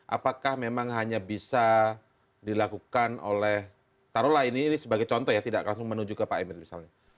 apakah memang hanya bisa dilakukan oleh taruhlah ini sebagai contoh ya tidak langsung menuju ke pak emir misalnya